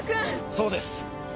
そうです！